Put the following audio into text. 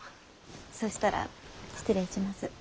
そしたら失礼します。